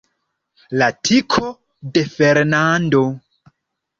La tiko de Fernando!